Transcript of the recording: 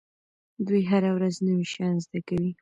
دوی هره ورځ نوي شیان زده کوي.